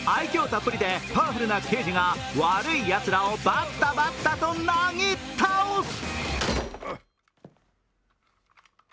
たっぷりでパワフルな刑事が悪いやつらをバッタバッタとなぎ倒す。